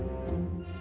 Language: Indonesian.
aku khawatir belu